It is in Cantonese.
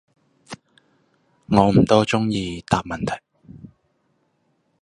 我唔多中意答問題